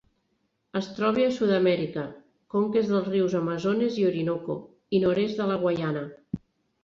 Es troba a Sud-amèrica: conques dels rius Amazones i Orinoco, i nord-est de la Guaiana.